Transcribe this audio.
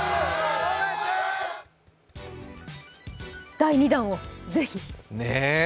第２弾をぜひ！ねえ。